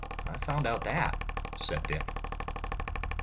I've found out that," said Dick.